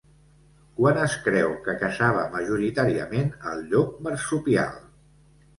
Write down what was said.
Quan es creu que caçava majoritàriament el llop marsupial?